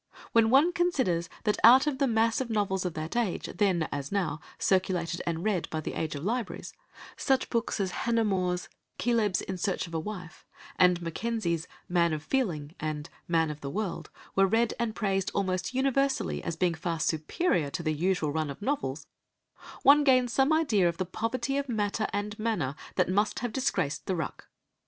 When one considers that out of the mass of novels of that age, then, as now, circulated and read by the aid of libraries, such books as Hannah More's Cœlebs in Search of a Wife and Mackenzie's Man of Feeling and Man of the World were read and praised almost universally as being far superior to the usual run of novels, one gains some idea of the poverty of matter and manner that must have disgraced the ruck.